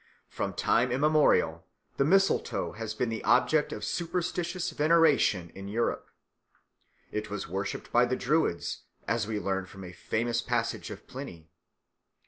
From time immemorial the mistletoe has been the object of superstitious veneration in Europe. It was worshipped by the Druids, as we learn from a famous passage of Pliny.